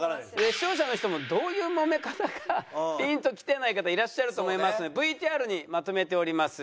視聴者の人もどういうもめ方かピンときてない方いらっしゃると思いますのでＶＴＲにまとめております。